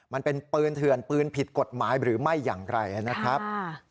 มันเป็นปืนเถื่อนปืนผิดกฎหมายหรือไม่อย่างไรนะครับ